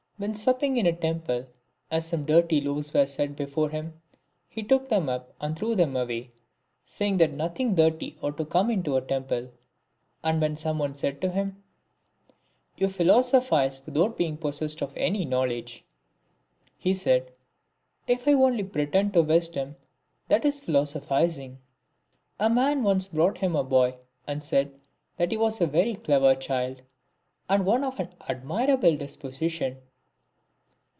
When supping in a temple, as some dirty loaves were set before him, he took them up and threw them away, saying that nothing dirty ought to come into a temple ; and when some one said to him, " You philosophize without being possessed of any knowledge," he said, " If I only pretend to wisdom, that is philosophizing." A man once brought him a boy, and said that he was a very clever child, and one of an admirable dis position."